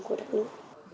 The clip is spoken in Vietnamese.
của đất nước